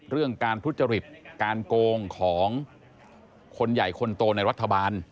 เรื่องการทุจริตการโกงของคนใหญ่คนโตในรัฐบาล